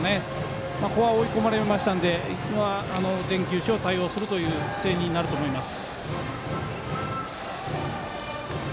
ここは追い込まれましたので全球種を対応するという姿勢になると思います。